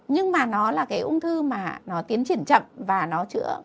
nhưng mà nó là cái ung thư mà nó tiến triển chậm và nó chữa